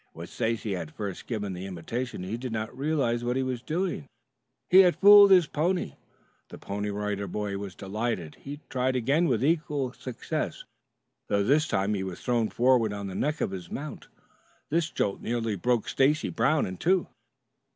When Stacy had first given the imitation he did not realize what he was doing. He had fooled his pony. The Pony Rider Boy was delighted. He tried it again with equal success, though this time he was thrown forward on the neck of his mount. This jolt nearly broke Stacy Brown in two.